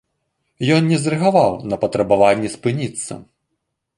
Ён не зрэагаваў на патрабаванні спыніцца.